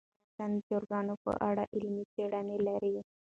افغانستان د چرګانو په اړه علمي څېړني لري.